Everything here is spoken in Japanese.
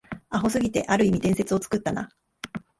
アホすぎて、ある意味伝説を作ったな